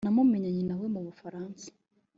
namumenyanye nawe mubufaransa